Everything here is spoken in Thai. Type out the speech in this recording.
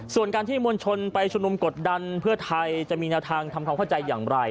ส่วนการที่มวลชนไปชุมนุมกดดันเพื่อไทยจะมีแนวทางทำความเข้าใจอย่างไร